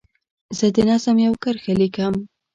زه د نظم یوه کرښه لیکم.